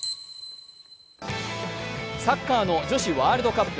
サッカーの女子ワールドカップ。